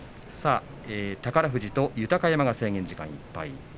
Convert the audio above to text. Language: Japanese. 宝富士と豊山が制限時間いっぱい。